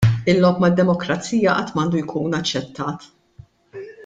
Il-logħob mad-Demokrazija qatt m'għandu jkun aċċettat.